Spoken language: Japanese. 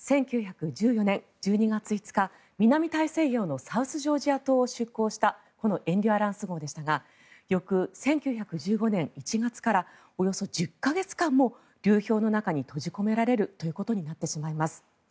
１９１４年１２月５日南大西洋のサウスジョージア島を出港したこの「エンデュアランス号」でしたが翌１９１５年１月からおよそ１０か月間も流氷の中に閉じ込められるということになってしまいます。